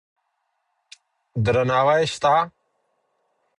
درناوی سته.